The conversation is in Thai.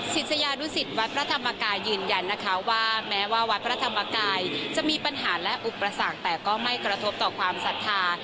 ศิษยานุสิตวัดพระธรรมกายยืนยันนะคะว่าแม้ว่าวัดพระธรรมกายจะมีปัญหาและอุปสรรคแต่ก็ไม่กระทบต่อความศรัทธา